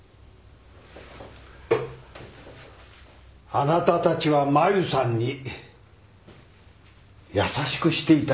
あなたたちはマユさんに優しくしていたようですが？